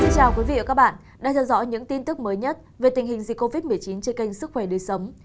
chào các bạn đã theo dõi những tin tức mới nhất về tình hình dịch covid một mươi chín trên kênh sức khỏe đưa sống